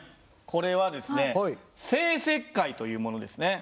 これはですね生石灰というものですね。